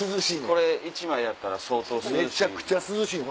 これ１枚やったら相当涼しい。